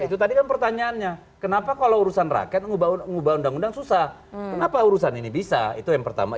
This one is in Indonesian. itu tadi kan pertanyaannya kenapa kalau urusan rakyat ngubah undang undang susah kenapa urusan ini bisa itu yang pertama